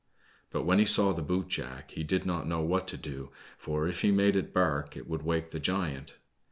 But when he saw the boot jack he did not know what to do, for, if he made it bark it would wake the giant.